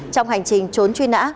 trong hành trình trốn truy nã